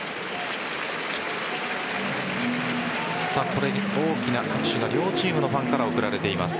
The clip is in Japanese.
これに大きな拍手が両チームのファンから送られています。